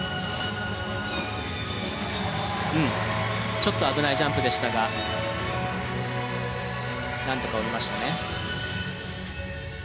ちょっと危ないジャンプでしたがなんとか降りましたね。